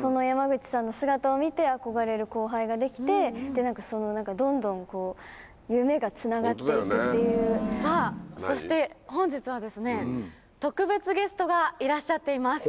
その山口さんの姿を見て、憧れる後輩ができて、なんかその、どんどん夢がつながっていくってさあ、そして、本日はですね、特別ゲストがいらっしゃっています。